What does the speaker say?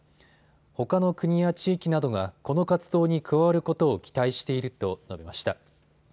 ほかの国や地域などがこの活動に加わることを期待していると述べました。